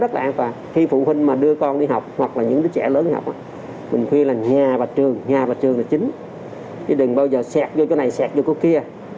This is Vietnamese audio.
chứ đừng bao giờ xẹt vô cái này xẹt vô cái kia